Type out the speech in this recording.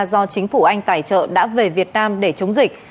do chính phủ anh tài trợ đã về việt nam để chống dịch